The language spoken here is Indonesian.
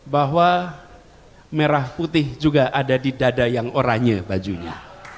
bahwa merah putih juga ada di dada yang oranye bajunya